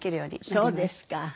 そうですか。